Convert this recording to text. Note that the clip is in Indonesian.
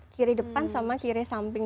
kiri depan sama kiri samping